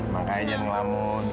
makanya jangan ngelamun